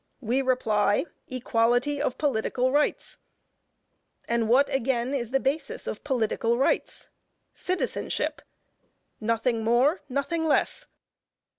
We reply, equality of political rights. And what, again, is the basis of political rights? Citizenship. Nothing more, nothing less.